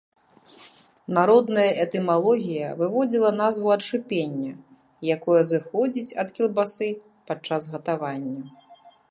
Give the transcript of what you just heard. Народная этымалогія выводзіла назву ад шыпення, якое зыходзіць ад кілбасы падчас гатавання.